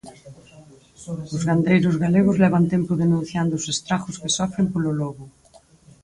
Os gandeiros galegos levan tempo denunciando os estragos que sofren polo lobo.